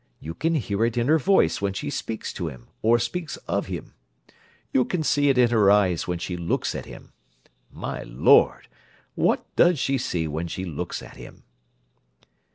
You can hear it in her voice when she speaks to him or speaks of him. You can see it in her eyes when she looks at him. My Lord! What does she see when she looks at him?"